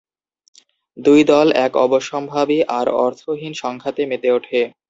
দুই দল এক অবশ্যম্ভাবী আর অর্থহীন সংঘাতে মেতে ওঠে।